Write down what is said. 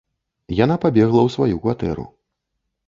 Яна пабегла ў сваю кватэру.